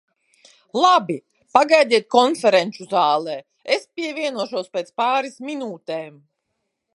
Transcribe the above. Labi, pagaidiet konferenču zālē, es pievienošos pēc pāris minūtēm.